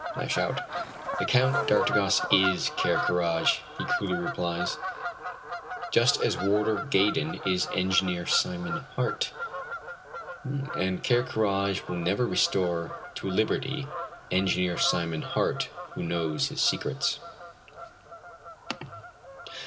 I shout. "The Count d'Artigas is Ker Karraje," he coolly replies, "just as Warder Gaydon is Engineer Simon Hart; and Ker Karraje will never restore to liberty Engineer Simon Hart, who knows his secrets."